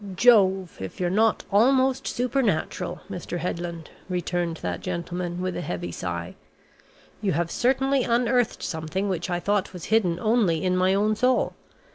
"Jove, if you're not almost supernatural, Mr. Headland!" returned that gentleman with a heavy sigh. "You have certainly unearthed something which I thought was hidden only in my own soul.